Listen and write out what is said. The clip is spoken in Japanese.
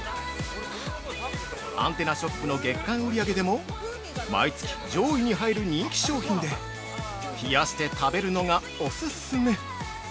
アンテナショップの月間売り上げでも毎月上位に入る人気商品で、冷やして食べるのがおすすめ。